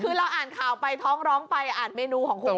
คือเราอ่านข่าวไปท้องร้องไปอ่านเมนูของคุณ